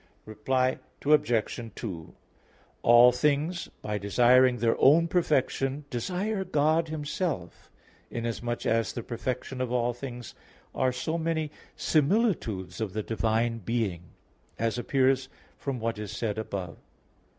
Reply Obj. 2: All things, by desiring their own perfection, desire God Himself, inasmuch as the perfections of all things are so many similitudes of the divine being; as appears from what is said above (Q.